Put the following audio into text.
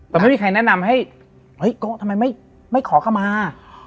แต่ไม่มีใครแนะนำให้เฮ้ยโก๊ทำไมไม่ขอเข้ามา